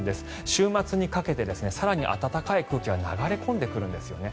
週末にかけて更に暖かい空気が流れ込んでくるんですね。